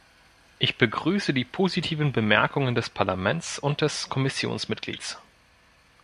Ich begrüße die positiven Bemerkungen des Parlaments und des Kommissionsmitglieds.